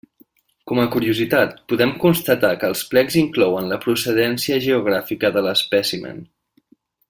Com a curiositat podem constatar que els plecs inclouen la procedència geogràfica de l'espècimen.